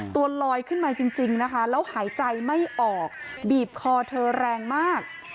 ตัวลอยขึ้นมาจริงนะคะแล้วหายใจไม่ออกบีบคอเธอแรงมาก